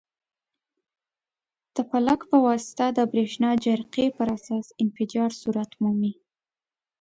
په پلک په واسطه د برېښنا جرقې په اثر انفجار صورت مومي.